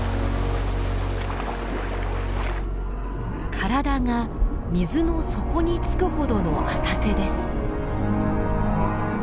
体が水の底につくほどの浅瀬です。